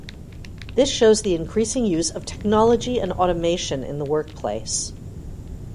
This shows the increasing use of technology and automation in the workplace.